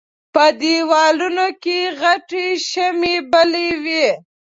په دېوالونو کې غټې شمعې بلې وې.